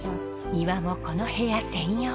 庭もこの部屋専用。